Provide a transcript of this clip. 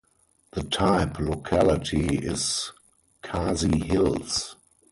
The type locality is Khasi Hills.